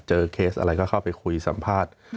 เคสอะไรก็เข้าไปคุยสัมภาษณ์